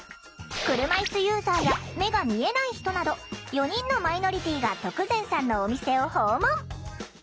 車いすユーザーや目が見えない人など４人のマイノリティーが徳善さんのお店を訪問。